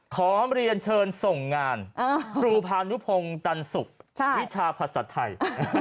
ขอเรียนเชิญส่งงานครูพานุพงศ์ตันศุกร์วิชาภาษาไทย